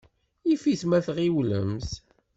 Yif-it ma tɣiwlemt.